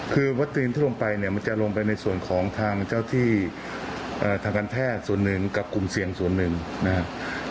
คือวัคซีนที่ลงไปเนี่ยมันจะลงไปในส่วนของทางเจ้าที่ทางการแพทย์ส่วนหนึ่งกับกลุ่มเสี่ยงส่วนหนึ่งนะครับ